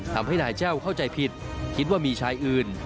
ทำให้นายแจ้วเข้าใจผิดคิดว่ามีชายอื่น